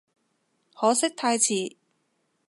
可惜太遲